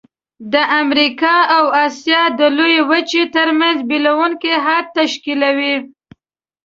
د امریکا او آسیا د لویې وچې ترمنځ بیلوونکی حد تشکیلوي.